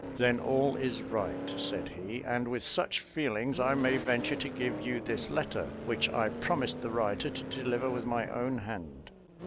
"Then all is right," said he; "and with such feelings I may venture to give you this letter, which I promised the writer to deliver with my own hand."